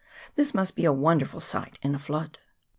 This must be a wonderful sight in a flood.